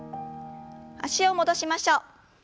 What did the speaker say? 脚を戻しましょう。